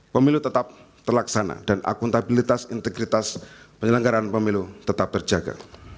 pemilu tetap terlaksana dan akuntabilitas integritas penyelenggaraan pemilu tetap terjaga